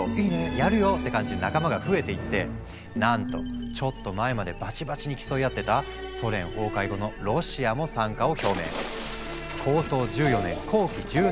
「やるよ！」って感じで仲間が増えていってなんとちょっと前までバチバチに競い合ってたソ連崩壊後のロシアも参加を表明。